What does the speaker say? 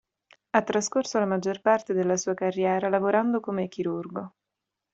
Ha trascorso la maggior parte della sua carriera lavorando come chirurgo.